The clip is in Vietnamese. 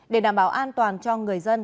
để đảm bảo an toàn cho người dân